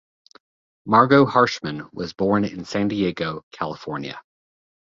Margo Harshman was born in San Diego, California.